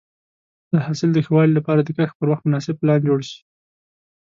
د حاصل د ښه والي لپاره د کښت پر وخت مناسب پلان جوړ شي.